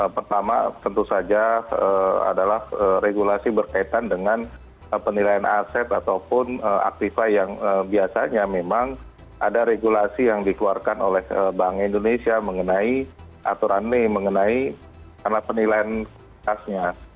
pertama tentu saja adalah regulasi berkaitan dengan penilaian aset ataupun aktifa yang biasanya memang ada regulasi yang dikeluarkan oleh bank indonesia mengenai aturan ini mengenai karena penilaian kualitasnya